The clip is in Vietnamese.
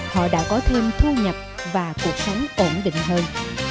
họ đã có thêm thu nhập và cuộc sống ổn định hơn